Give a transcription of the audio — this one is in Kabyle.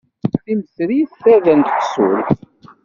Timmetrit, tarda n tqessult.